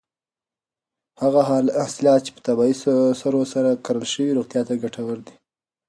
هغه حاصلات چې په طبیعي سرو سره کرل شوي روغتیا ته ګټور دي.